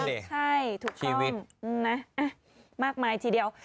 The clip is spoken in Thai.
แม่เลยทุกคร่องง่ายมากมายทีเดียว